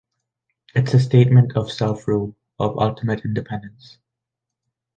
It's a statement of self rule, of ultimate independence.